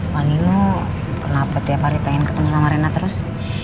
wali lo kenapa tiap hari pengen ketemu sama rena terus